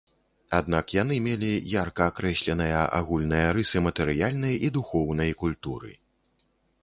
Аднак яны мелі ярка акрэсленыя агульныя рысы матэрыяльнай і духоўнай культуры.